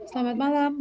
selamat malam mbak putri